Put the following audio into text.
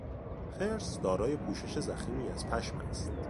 خرس دارای پوشش ضخیمی از پشم است.